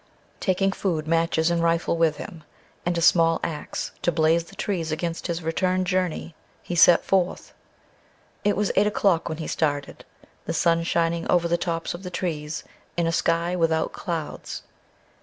Taking food, matches and rifle with him, and a small axe to blaze the trees against his return journey, he set forth. It was eight o'clock when he started, the sun shining over the tops of the trees in a sky without clouds.